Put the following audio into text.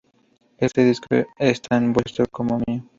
Este disco es tan vuestro como mío".